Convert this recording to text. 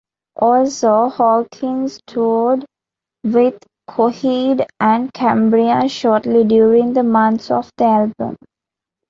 Also, Hawkins toured with Coheed and Cambria shortly during the months of the album.